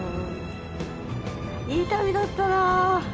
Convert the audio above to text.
いい旅だったなあ。